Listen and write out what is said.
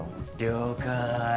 了解。